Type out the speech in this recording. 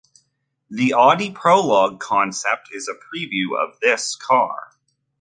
The Audi Prologue concept is a preview of this car.